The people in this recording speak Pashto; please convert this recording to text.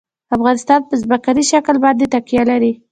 افغانستان په ځمکنی شکل باندې تکیه لري.